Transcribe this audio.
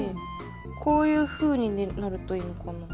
こういうふうになるといいのかな？